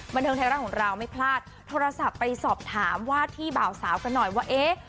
บันเทิงไทยรัฐของเราไม่พลาดโทรศัพท์ไปสอบถามว่าที่เบาสาวกันหน่อยว่าเอ๊ะ